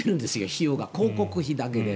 費用が、広告費だけで。